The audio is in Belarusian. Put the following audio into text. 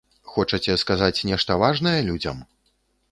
Хочаце сказаць нешта важнае людзям?